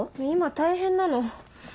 今大変なの。